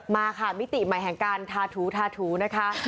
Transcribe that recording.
มาค่ะมิติใหม่แห่งการทาถูทาถูนะคะ